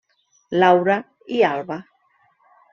Laura i Alba.